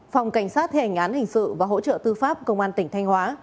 phòng cảnh sát hình án hình sự và hỗ trợ tư pháp công an tỉnh thanh hóa